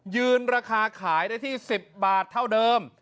ยืนราคาขายได้ที่๑๐บาทเท่าเดิม